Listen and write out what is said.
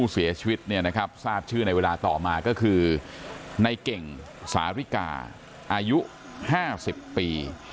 เสียชีวิตทราบชื่อในเวลาต่อมาก็คือในเก่งสาริกาอายุ๕๐ปี